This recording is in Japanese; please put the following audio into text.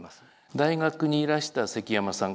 大学にいらした積山さん